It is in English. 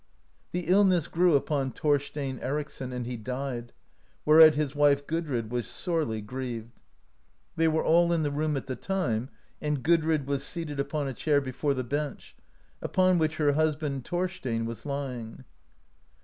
The illness grew upon Thorstein Ericsson and he died, where at his wife, Gudrid, was sorely grieved. They were all in the room at the time, and Gudrid was seated upon a chair before the bench, upon which her husband, Thor stein was lying.